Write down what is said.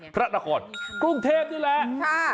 พระนครกรุงเทพนี่แหละ